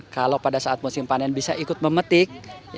kalau pada saat musim panen bisa ikut memetik